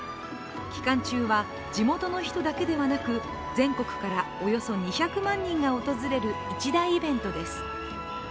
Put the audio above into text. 期間中は地元の人だけではなく全国からおよそ２００万人が訪れる一大イベントです。